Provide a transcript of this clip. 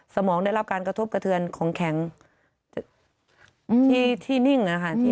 สมองได้รับการกระทบกระเทือนของแข็งที่นิ่งนะคะ